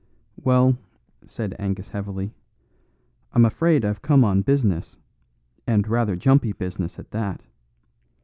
"Well," said Angus heavily. "I'm afraid I've come on business, and rather jumpy business at that.